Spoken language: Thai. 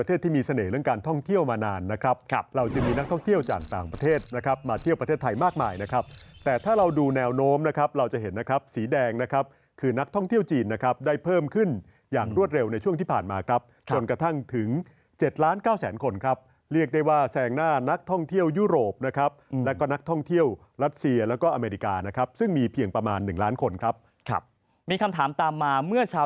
แต่ถ้าเราดูแนวโน้มนะครับเราจะเห็นนะครับสีแดงนะครับคือนักท่องเที่ยวจีนนะครับได้เพิ่มขึ้นอย่างรวดเร็วในช่วงที่ผ่านมาครับจนกระทั่งถึง๗ล้าน๙แสนคนครับเรียกได้ว่าแสงหน้านักท่องเที่ยวยุโรปนะครับแล้วก็นักท่องเที่ยวรัชเซียแล้วก็อเมริกานะครับซึ่งมีเพียงประมาณ๑ล้านคนครับมีคำถามตามมาเมื่